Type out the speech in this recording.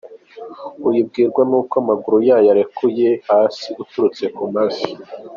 Uyibwirwa ni uko amaguru yayo arekuye hasi uturutse ku mavi.